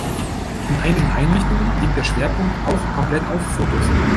In einigen Einrichtungen liegt der Schwerpunkt auch komplett auf Fotos.